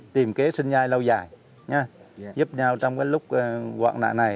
tìm kế sinh nhai lâu dài giúp nhau trong cái lúc hoạn nạn này